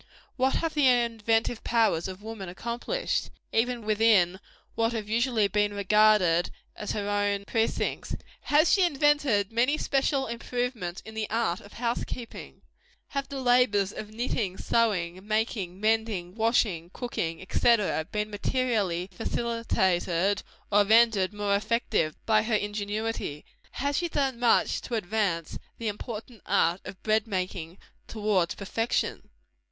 What have the inventive powers of woman accomplished, even within what have been usually regarded as her own precincts? Has she invented many special improvements in the art of house keeping? Have the labors of knitting, sewing, making, mending, washing, cooking, &c., been materially facilitated, or rendered more effective, by her ingenuity? Has she done much to advance the important art of bread making towards perfection?